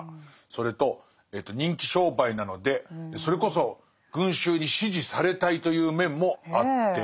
それと人気商売なのでそれこそ群衆に支持されたいという面もあって。